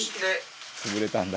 「潰れたんだ」